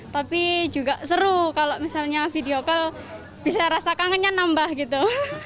tapi juga seru kalau misalnya video call bisa rasa kangennya nambah gitu